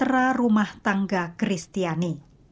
terah rumah tangga kristiani